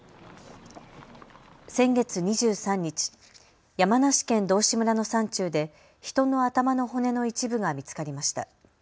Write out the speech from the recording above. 先月２３日、山梨県道志村の山中で人の頭の骨の一部が見つかりました。